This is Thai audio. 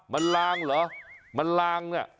มันลางเหรอมันลางเนี่ย